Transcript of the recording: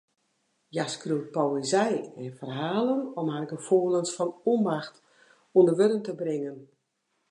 Hja skriuwt poëzy en ferhalen om har gefoelens fan ûnmacht ûnder wurden te bringen.